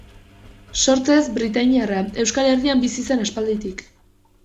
Sortzez britainiarra, Euskal Herrian bizi zen aspalditik.